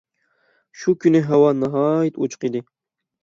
شۇ كۈنى ھاۋا ناھايىتى ئوچۇق ئىدى.